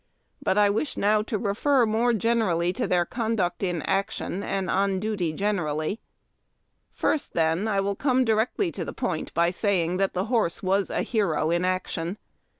But 1 wish now to refer more particularly to their conduct in action and on duty generally. First, then, I will come directl}^ to the point by saying that the horse was a hero in action.